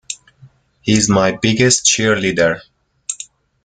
He's my biggest cheerleader.